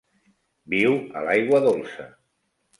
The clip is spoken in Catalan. Viu a l'aigua dolça.